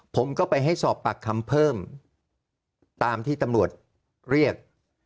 ผมก็ไปให้สอบปากคำเพิ่มตามที่ตำรวจเรียก